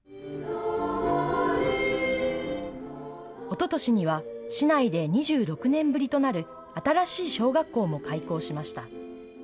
おととしには、市内で２６年ぶりとなる新しい小学校も開校しました。